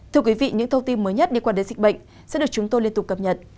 thưa quý vị những thông tin mới nhất đi quan đến dịch bệnh sẽ được chúng tôi liên tục cập nhật